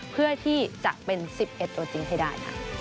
เพื่อที่จะเป็น๑๑ตัวจริงให้ได้ค่ะ